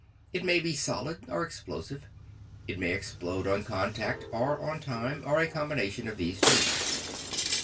It may be solid or explosive. It may explode on contact or on time, or a combination of these two.